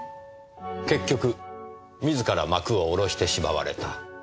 結局自ら幕を下ろしてしまわれた。